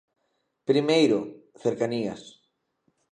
Primeiro, cercanías.